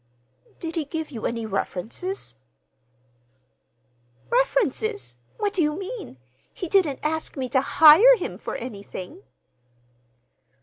"Did he give you any references?" "References! What do you mean? He didn't ask me to hire him for anything."